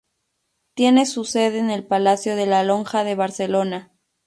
Tiene su sede en el Palacio de la Lonja de Barcelona.